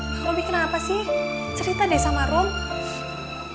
bang robi kenapa sih cerita deh sama romi